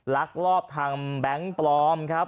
ลักลอบทำแบงค์ปลอมครับ